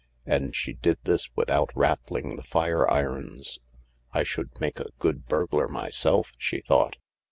And she did this without rattling the fireirons. "I should make a good burglar myself," she thought.